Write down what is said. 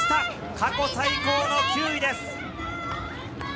過去最高の９位です。